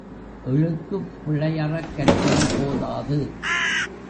எழுத்துப் பிழையறக் கற்றால் போதாது.